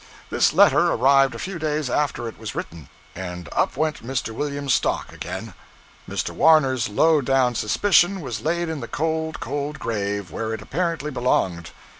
This letter arrived a few days after it was written and up went Mr. Williams's stock again. Mr. Warner's low down suspicion was laid in the cold, cold grave, where it apparently belonged.